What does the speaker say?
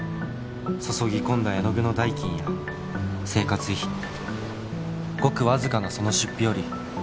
「注ぎ込んだ絵の具の代金や生活費」「ごくわずかなその出費より」